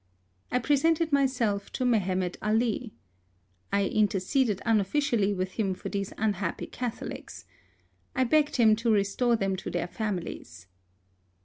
I presented myself to Mehemet Ali. I inter ceded unofficially with him for these un happy Catholics, I begged him to restore them to their families.